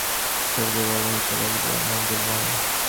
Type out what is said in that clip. ঈশ্বরকে বলা হইতে লাগিল মঙ্গলময়।